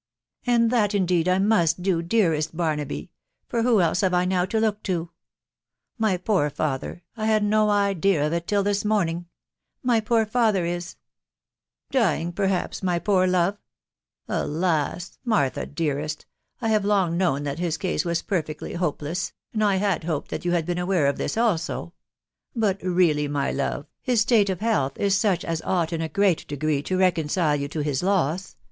" And that indeed I must do, dearest Barnaby !... for who else have I now to look to ?... My poor father ... I had no idea of it till this morning •.. my poor father is ••.."" Dying, perhaps, my poor love !•.. Alas ! Martha dearest, I have long known that his case was perfectly hopeless, and I had hoped that you had been aware of this also ; but really, my love, his state of health is such as ought in a great degree to reconcile you to his loss.